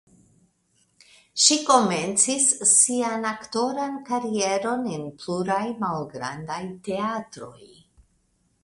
Ŝi komencis sian aktoran karieron en pluraj malgrandaj teatroj.